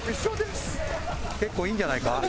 結構いいんじゃないか？